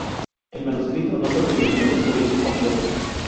El manuscrito no sobrevivió en su edición completa.